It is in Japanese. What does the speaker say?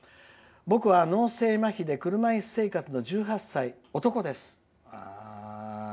「僕は脳性まひで車いす生活の１８歳、男です。